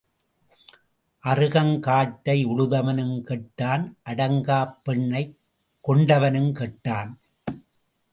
அறுகங் காட்டை உழுதவனும் கெட்டான் அடங்காப் பெண்ணைக் கொண்டவனும் கெட்டான்.